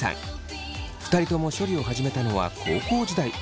２人とも処理を始めたのは高校時代。